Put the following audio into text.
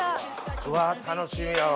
うわ楽しみやわ。